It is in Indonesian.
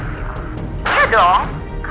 iya dong kalian tenang aja